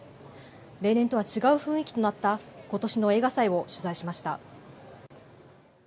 例年とは違う雰囲気となったことしの映画祭を取材しました。